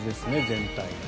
全体。